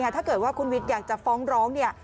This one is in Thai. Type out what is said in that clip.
ถ้าเกิดว่าคุณวิทย์อยากจะฟ้องร้องเนี่ย